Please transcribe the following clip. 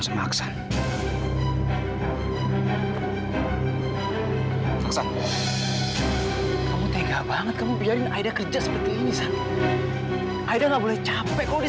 semaksan kamu tega banget kamu biarin aida kerja seperti ini aida nggak boleh capek kalau